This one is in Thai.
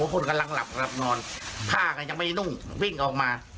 คนกำลังหลับหลับนอนผ้าก็ยังไม่นุ่งวิ่งออกมา